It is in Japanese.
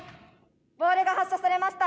ボールが発射されました。